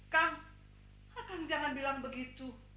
kang jangan bilang begitu